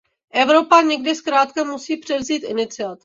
Evropa někdy zkrátka musí převzít iniciativu.